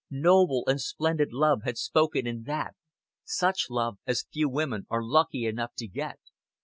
Noble and splendid love had spoken in that such love as few women are lucky enough to get.